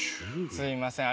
すみません。